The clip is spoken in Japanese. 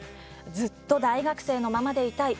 ずっと大学生のままでいたい。